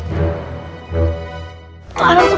tuh alas pokoknya